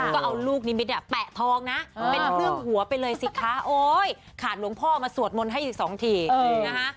ก็เอาลูกนิมิตแปะทองนะเป็นเครื่องหัวไปเลยสิคะโอ๊ยขาดหลวงพ่อมาสวดมนต์ให้อีก๒ทีนะคะ